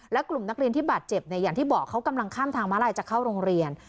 และกลุ่มนักเรียนที่บาดเจ็บเนี่ยอย่างที่บอกเขากำลังข้ามทางมาลัยจะเข้าโรงเรียน